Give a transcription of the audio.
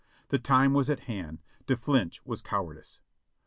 The time was at hand ; to flinch was cowardice.